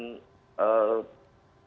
ini masih bisa dikonsumsi